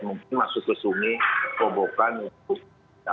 mungkin masuk ke sungai kobokan itu